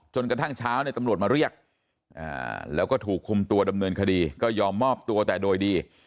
กระทั่งเช้าเนี่ยตำรวจมาเรียกแล้วก็ถูกคุมตัวดำเนินคดีก็ยอมมอบตัวแต่โดยดี